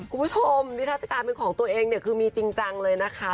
คุณผู้ชมนิทัศกาลเป็นของตัวเองเนี่ยคือมีจริงจังเลยนะคะ